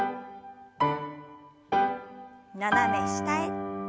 斜め下へ。